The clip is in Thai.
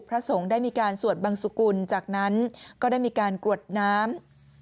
พระสงฆ์ได้มีการสวดบังสุกุลจากนั้นก็ได้มีการกรวดน้ำ